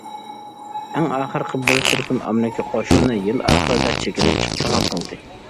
ئەڭ ئاخىرقى بىر تۈركۈم ئامېرىكا قوشۇنى يىل ئاخىرىدا چېكىنىپ چىقىدىغان بولدى.